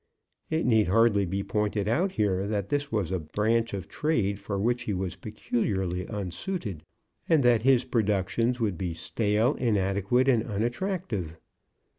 It need hardly be pointed out here that this was a branch of trade for which he was peculiarly unsuited, and that his productions would be stale, inadequate, and unattractive.